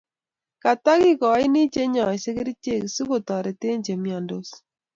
katakigoini che nyaise kerichek si kotatretee chemiandos